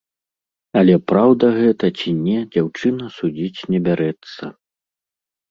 Але праўда гэта ці не, дзяўчына судзіць не бярэцца.